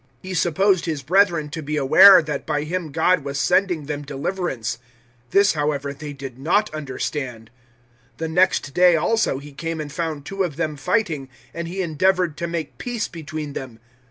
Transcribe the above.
007:025 He supposed his brethren to be aware that by him God was sending them deliverance; this, however, they did not understand. 007:026 The next day, also, he came and found two of them fighting, and he endeavoured to make peace between them.